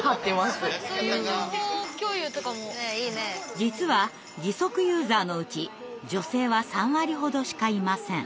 実は義足ユーザーのうち女性は３割ほどしかいません。